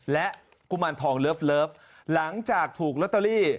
และกุมารทองเลิฟหลังจากถูกลอตเตอรี่